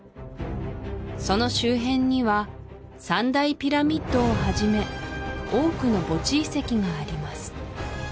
その周辺には３大ピラミッドをはじめ多くの墓地遺跡があります